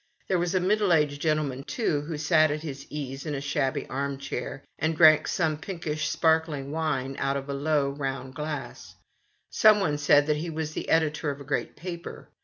There was a middle aged A CHILD. 25 gentleman, too, who sat at his ease in a shabby armchair, and drank some pinkish, sparkling wine out of a low, round glass. Someone said that he was the editor of a great paper.